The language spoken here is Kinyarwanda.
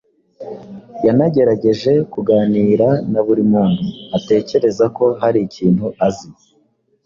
yanagerageje kuganira na buri muntu atekereza ko hari ikintu azi